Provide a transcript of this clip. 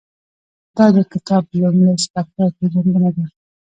دا د کتاب لومړی څپرکی او پېژندنه ده.